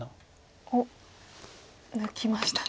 おっ抜きましたね。